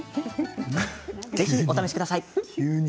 ぜひ、お試しください。